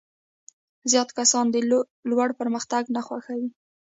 زیات کسان د لور پرمختګ نه خوښوي.